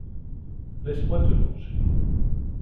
Laisse-moi te venger !